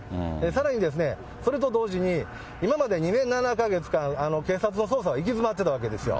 さらに、それと同時に、今まで２年７か月間、警察の捜査は行き詰まっていたわけですよ。